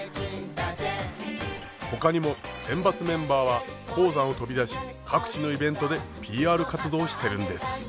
ほかにも選抜メンバーは鉱山を飛び出し各地のイベントでＰＲ活動してるんです。